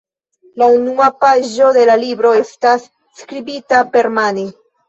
La unua paĝo de la libro estas skribita permane.